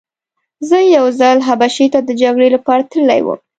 زه یو ځل حبشې ته د جګړې لپاره تللی وم.